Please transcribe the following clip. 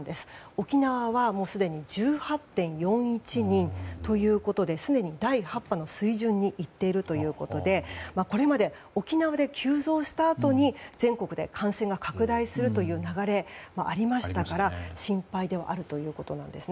沖縄はすでに１８．４１人ということですでに第８波の水準にいっているということでこれまで沖縄で急増したあとに全国で感染が拡大するという流れがありましたから心配ではあるということなんです。